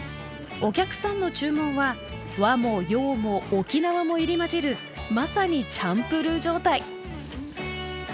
お客さんの注文は和も洋も沖縄も入り交じるまさにチャンプルー状態。